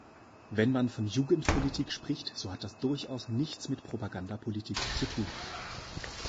Wenn man von Jugendpolitik spricht, so hat das durchaus nichts mit Propagandapolitik zu tun.